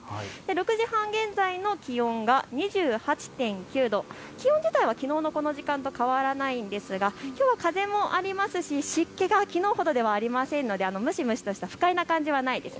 ６時半現在の気温が２８．９度、気温自体はきのうのこの時間と変わらないですが、きょうは風もありますし湿気がきのうほどではないので蒸し蒸しとした不快な感じはないです。